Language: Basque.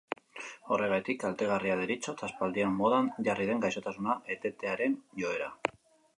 Horregatik kaltegarria deritzot aspaldian modan jarri den gaixotasuna etetearen joera.